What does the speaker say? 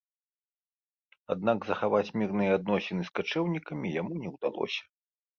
Аднак, захаваць мірныя адносіны з качэўнікамі яму не ўдалося.